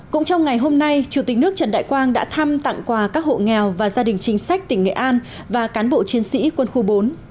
cũng trong ngày hôm nay chủ tịch nước trần đại quang đã thăm tặng quà các hộ nghèo và gia đình chính sách tỉnh nghệ an và cán bộ chiến sĩ quân khu bốn